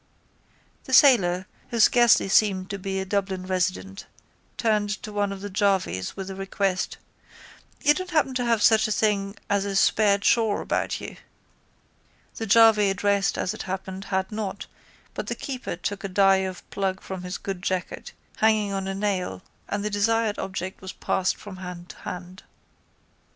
The sailor, who scarcely seemed to be a Dublin resident, turned to one of the jarvies with the request: —You don't happen to have such a thing as a spare chaw about you? The jarvey addressed as it happened had not but the keeper took a die of plug from his good jacket hanging on a nail and the desired object was passed from hand to hand.